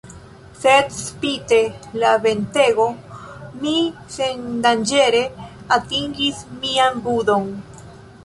Sed, spite la ventego, mi sendanĝere atingis mian budon.